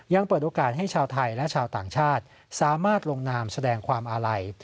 ยังเปิดโอกาสให้ชาวไทยและชาวต่างชาติสามารถลงนามแสดงความอาลัย